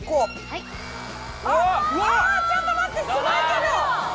あちょっと待ってすごいけど。